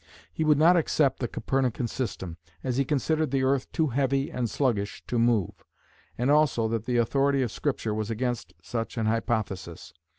He would not accept the Copernican system, as he considered the earth too heavy and sluggish to move, and also that the authority of Scripture was against such an hypothesis.